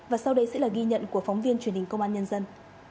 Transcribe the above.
và sau đây sẽ là ghi nhận của phóng viên truyền hình công an nhân dân